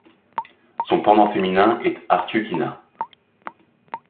Son pendant féminin est Artyukhina.